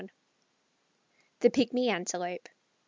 ] THE PIGMY ANTELOPE.